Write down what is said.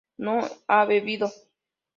no ha bebido